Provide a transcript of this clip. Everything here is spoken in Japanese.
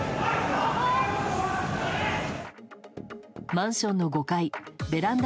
マンションの５階ベランダ